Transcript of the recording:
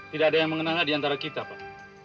tidak ada yang mengenalnya di antara kita pak